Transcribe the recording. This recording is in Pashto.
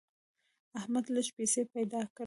احمد لږې پیسې پیدا کړې.